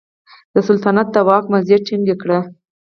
د سلطنت د واک مزي ټینګ کړل.